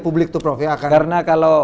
publik tuh prof ya karena kalau